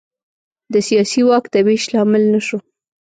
د سیاسي واک د وېش لامل نه شو.